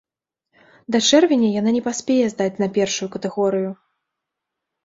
Да чэрвеня яна не паспее здаць на першую катэгорыю.